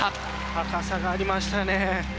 高さがありましたね。